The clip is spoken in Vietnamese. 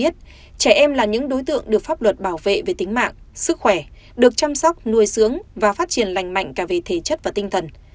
trẻ em là những đối tượng được pháp luật bảo vệ về tính mạng sức khỏe được chăm sóc nuôi dưỡng và phát triển lành mạnh cả về thể chất và tinh thần